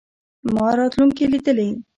ما راتلونکې لیدلې.